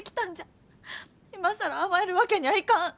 今更甘えるわけにゃあいかん。